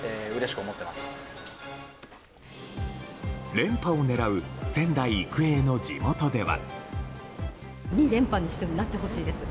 連覇を狙う仙台育英の地元では。